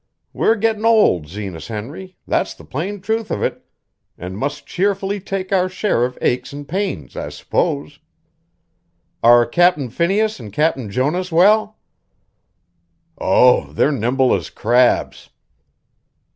We're gettin' old, Zenas Henry, that's the plain truth of it, an' must cheerfully take our share of aches an' pains, I s'pose. Are Captain Phineas an' Captain Jonas well?" "Oh, they're nimble as crabs."